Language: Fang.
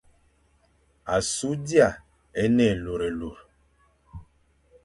Asu d ia e ne élurélur.